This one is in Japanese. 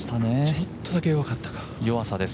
ちょっとだけ弱かったか。